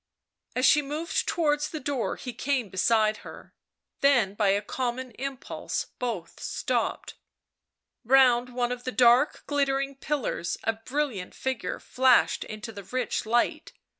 As she moved towards the door he came beside her. Then by a common impulse both stopped. Round one of the dark glittering pillars a brilliant figure flashed into the rich light.